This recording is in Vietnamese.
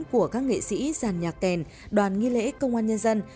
của các nghệ sĩ giàn nhạc kèn đoàn nghi lễ công an nhân dân